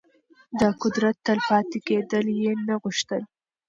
د قدرت تل پاتې کېدل يې نه غوښتل.